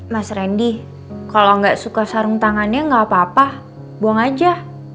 mas rendy kalo gak suka sarung tangannya gak apa apa buang aja